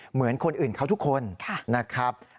เหมือนคนอื่นเขาทุกคนนะครับ